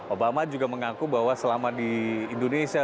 obama juga mengaku bahwa selama di indonesia